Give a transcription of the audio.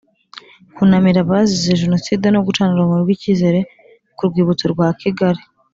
Kunamira abazize Jenoside no gucana urumuri rw’Icyizere ku rwibutso rwa Kigali